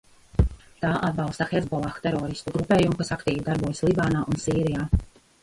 Tā atbalsta Hezbollah teroristu grupējumu, kas aktīvi darbojas Libānā un Sīrijā.